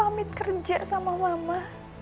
pamit kerja sama mama